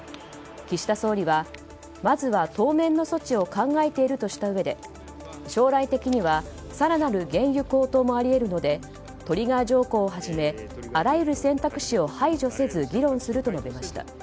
岸田総理はまずは当面の措置を考えているとしたうえで将来的には更なる原油高騰もあり得るのでトリガー条項をはじめあらゆる選択肢を排除せず議論すると述べました。